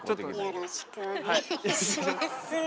よろしくお願いします。